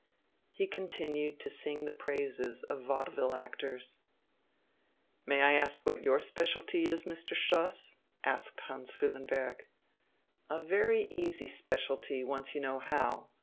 He continued to sing the praises of vaudeville actors. "May I ask what your specialty is, Mr. Stoss?" asked Hans Füllenberg. "A very easy specialty, once you know how.